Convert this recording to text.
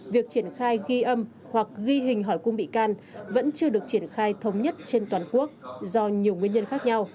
việc triển khai ghi âm hoặc ghi hình hỏi cung bị can vẫn chưa được triển khai thống nhất trên toàn quốc do nhiều nguyên nhân khác nhau